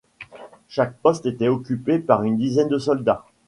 Chaque poste était occupé par une dizaine de soldats.